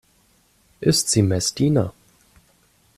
Ist sie Messdiener?